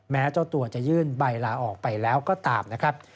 แม้เจ้าตัวจะยื่นใบลาออกไปแล้วก็ตามนะครับ